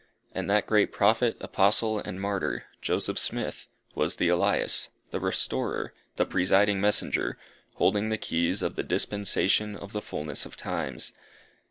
And that Great Prophet, Apostle, and Martyr JOSEPH SMITH, was the Elias, the Restorer, the presiding Messenger, holding the keys of the "Dispensation of the fulness of times."